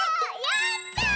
やった！